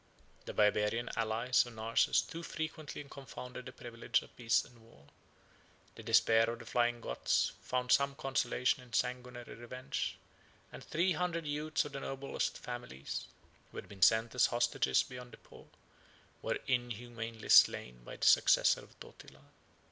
The Barbarian allies of Narses too frequently confounded the privileges of peace and war. The despair of the flying Goths found some consolation in sanguinary revenge; and three hundred youths of the noblest families, who had been sent as hostages beyond the Po, were inhumanly slain by the successor of Totila.